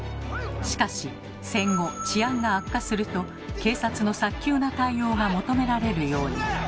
しかし戦後治安が悪化すると警察の早急な対応が求められるように。